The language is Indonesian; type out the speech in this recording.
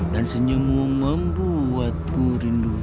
dan senyummu membuatku rindu